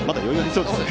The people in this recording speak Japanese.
そうですね。